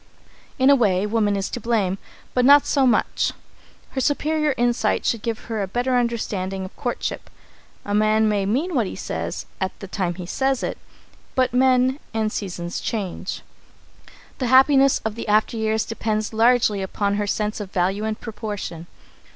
In a way, woman is to blame, but not so much. Her superior insight should give her a better understanding of courtship. A man may mean what he says at the time he says it but men and seasons change. [Sidenote: Value and Proportion] The happiness of the after years depends largely upon her sense of value and proportion.